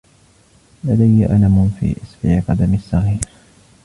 لدي ألم في اصبع قدمي الصغير.